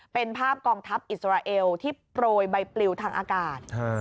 เป็นภาพกองทัพอิสราเอลที่โปรยใบปลิวทางอากาศ